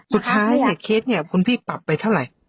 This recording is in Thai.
สุดท้ายเนี่ยเคสเนี่ยคุณพี่ปรับไปเท่าไหร่